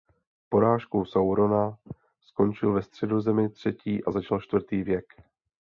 Porážkou Saurona skončil ve Středozemi třetí a začal Čtvrtý věk.